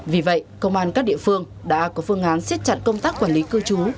vì vậy công an các địa phương đã có phương án siết chặt công tác quản lý cư trú